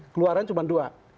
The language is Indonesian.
keluaran cuma dua